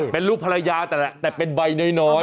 เป็นรูปภรรยาแต่แหละแต่เป็นใบน้อย